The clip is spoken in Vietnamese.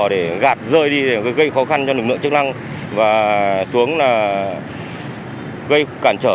để gạt rơi đi gây khó khăn cho lực lượng chức năng và xuống là gây cản trở